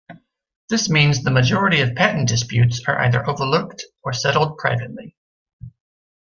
This means the majority of patent disputes are either overlooked or settled privately.